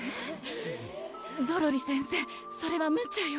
ゾロリせんせそれはむちゃよ。